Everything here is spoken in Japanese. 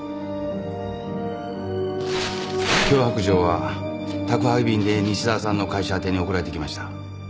脅迫状は宅配便で西沢さんの会社あてに送られてきました。